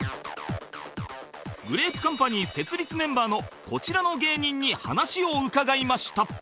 グレープカンパニー設立メンバーのこちらの芸人に話を伺いました